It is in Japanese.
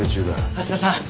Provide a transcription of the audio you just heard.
芦田さん！